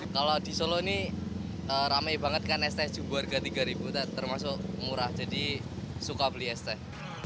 kalau di solo ni ramai banget kan esteh jumbo harga tiga termasuk murah jadi suka beli esteh